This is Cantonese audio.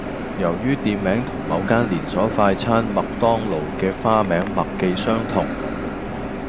由於店名同某間連鎖快餐麥當勞嘅花名麥記相同